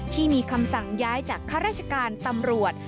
ที่มีคำสั่งย้ายจากข้าราชการตำรวจ